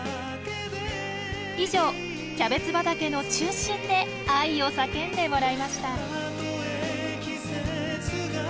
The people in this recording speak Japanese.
以上キャベツ畑の中心で愛を叫んでもらいました。